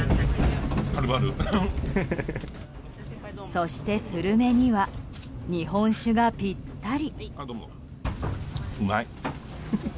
そして、スルメには日本酒がぴったり。